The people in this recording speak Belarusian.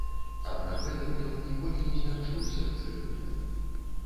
Аднак гэтым ён ніколі не змякчыў сэрцы рымлян.